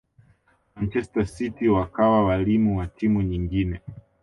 manchester city wakawa walimu wa timu nyingine